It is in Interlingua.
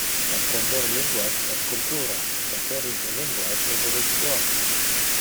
Apprender linguas es cultura. Saper interlingua es evolution.